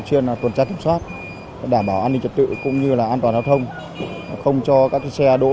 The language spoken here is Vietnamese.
thì công tác đảm bảo an ninh trật tự